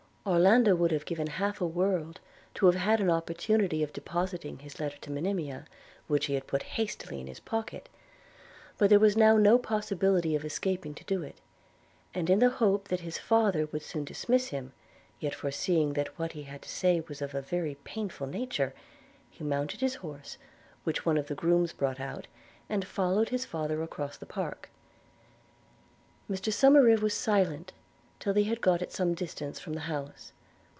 Orlando would have given half a world to have had an opportunity of depositing his letter to Monimia, which he had put hastily into his pocket; but there was now no possibility of escaping to do it: and in the hope that his father would soon dismiss him, yet foreseeing that what he had to say was of a very painful nature, he mounted his horse, which one of the grooms brought out, and followed his father across the park. Mr Somerive was silent till they had got at some distance from the house.